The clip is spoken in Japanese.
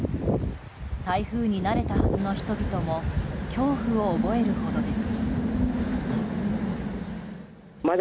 台風に慣れたはずの人々も恐怖を覚えるほどです。